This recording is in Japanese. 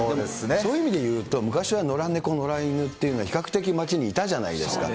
そういう意味で言うと、昔は野良猫、野良犬っていうのは比較的街にいたじゃないですか。